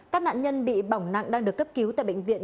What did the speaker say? các nạn nhân bị bỏng nặng đang được cấp cứu tại bệnh viện